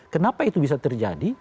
kenapa itu bisa terjadi